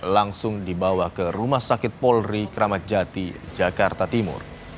langsung dibawa ke rumah sakit polri kramat jati jakarta timur